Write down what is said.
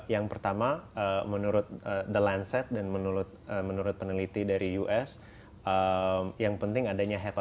yang pertama menurut the lancet dan menurut peneliti dari us yang penting adanya hepati